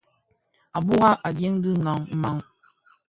A bùrà, a dyèn dì mang.